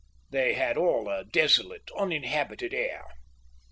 They had all a desolate, uninhabited air.